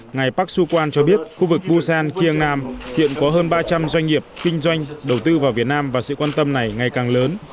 ngài park su quan cho biết khu vực busan kieng nam hiện có hơn ba trăm linh doanh nghiệp kinh doanh đầu tư vào việt nam và sự quan tâm này ngày càng lớn